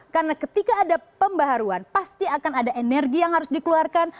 karena ketika ada pembaharuan pasti akan ada energi yang harus dikeluarkan